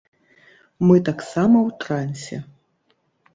Мы таксама ў трансе!